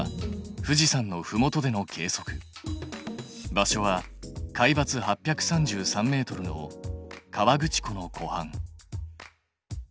場所は海ばつ８３３ｍの河口湖のこはん。